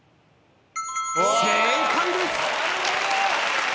正解です。